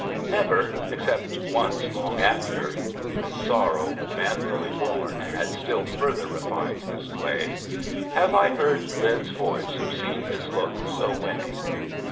Never, except once long after (when sorrow manfully borne had still further refined his clay), have I heard Lin's voice or seen his look so winning.